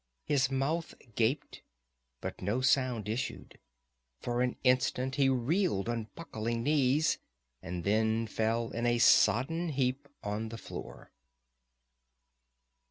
His mouth gaped, but no sound issued. For an instant he reeled on buckling knees, and then fell in a sodden heap on the floor.